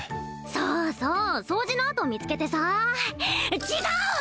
そうそう掃除のあと見つけてさー違う！